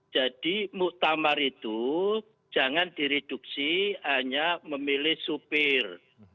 jadi muktamar itu jangan direduksi hanya memilih sopir